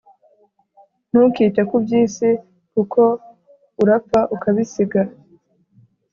Ntukite kubyisi kuko urapfa ukabisiga